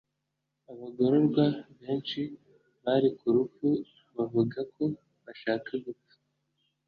abagororwa benshi bari ku rupfu bavuga ko bashaka gupfa